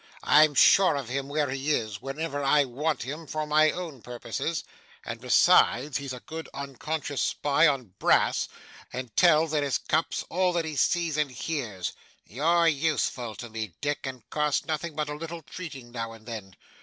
I'm sure of him where he is, whenever I want him for my own purposes, and, besides, he's a good unconscious spy on Brass, and tells, in his cups, all that he sees and hears. You're useful to me, Dick, and cost nothing but a little treating now and then.